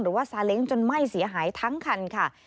ซาเล้งจนไหม้เสียหายทั้งคันค่ะ